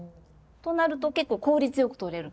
となると結構効率よくとれる。